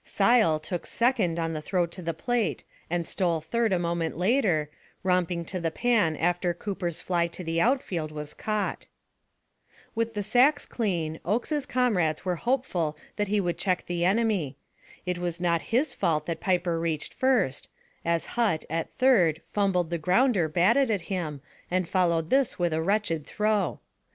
Sile took second on the throw to the plate, and stole third a moment later, romping to the pan after Cooper's fly to the outfield was caught. With the sacks clean, Oakes' comrades were hopeful that he would check the enemy. It was not his fault that Piper reached first, as Hutt, at third, fumbled the grounder batted at him and followed this with a wretched throw.